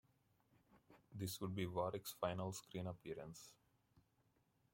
This would be Warrick's final screen appearance.